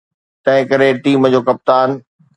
تنهنڪري ٽيم جو ڪپتان.